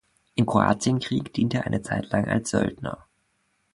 Im Kroatienkrieg diente er eine Zeit lang als Söldner.